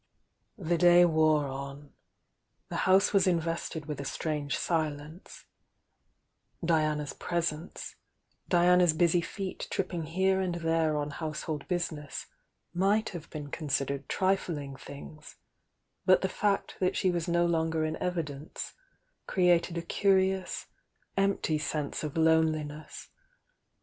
The day wore on,— the house was invested with a strange Hlence; Diana's presence, Diana's busy feet topping here and there on household business might have been considered trifling things; but the fact that she was no longer in evidence created a curious ^pty sense of loneliness.